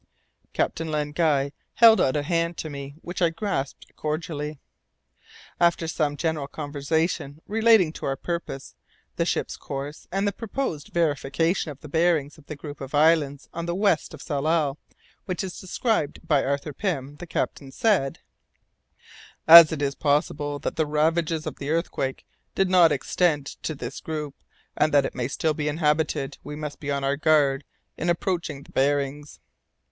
Captain Len Guy held out a hand to me, which I grasped cordially. After some general conversation relating to our purpose, the ship's course, and the proposed verification of the bearings of the group of islands on the west of Tsalal which is described by Arthur Pym, the captain said, "As it is possible that the ravages of the earthquake did not extend to this group, and that it may still be inhabited, we must be on our guard in approaching the bearings."